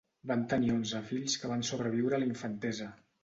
Van tenir onze fills que van sobreviure a la infantesa.